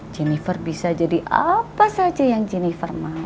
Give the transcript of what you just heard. jennifer bisa jadi apa saja yang jennifer mau